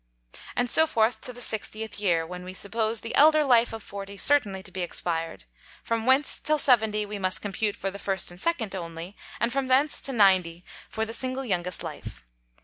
And so forth to the 60th Year, when we suppose the elder Life of Forty certainly to be expired; from whence till Seventy we must compute for the First and Second only, and from thence to Ninety for the single youngest Life.